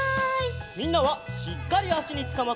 みんなはしっかりあしにつかまって！